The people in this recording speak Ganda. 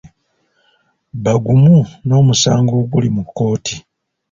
Bagumu n'omusango oguli mu kkooti.